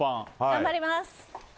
頑張ります！